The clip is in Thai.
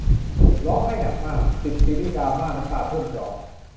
ร้องไห้หนักมาก สิบ ซีรีส์ดราม่าน้ำตาท่วมจอ